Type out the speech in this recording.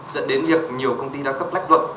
dẫn đến nhiều công ty đa cấp lách luận